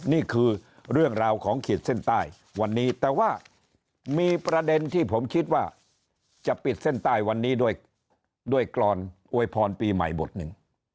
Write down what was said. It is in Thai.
นี่คือเรื่องราวของขีดเส้นใต้วันนี้แต่ว่ามีประเด็นที่ผมคิดว่าจะปิดเส้นใต้วันนี้ด้วยกรอนอวยพรปีใหม่บทหนึ่ง